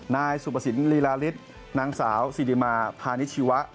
นายสุภสินลีลาฤทธิ์นางสาวสิริมาพานิชีวะ